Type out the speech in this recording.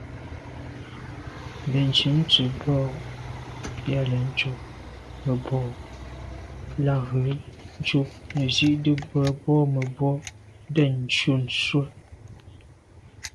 Bə̀nntʉ̌n tsə̀ bò yα̂ lɛ̌n ncob mə̀bwɔ lα ghʉ̌ cû ntʉ̀n nə̀ zi’tə bwə, mə̀bwɔ̂mə̀bwɔ ndɛ̂ncû nswə.